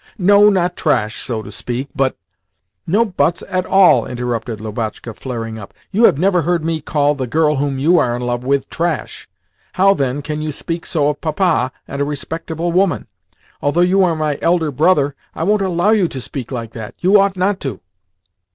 '" "No, not trash, so to speak, but " "No 'buts' at all!" interrupted Lubotshka, flaring up. "You have never heard me call the girl whom you are in love with 'trash!' How, then, can you speak so of Papa and a respectable woman? Although you are my elder brother, I won't allow you to speak like that! You ought not to!"